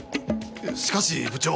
しかし部長。